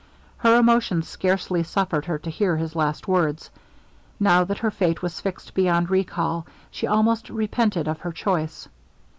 Her emotion scarcely suffered her to hear his last words. Now that her fate was fixed beyond recall, she almost repented of her choice.